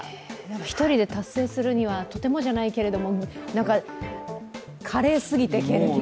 １人で達成するにはとてもじゃないけど華麗すぎて、経歴が。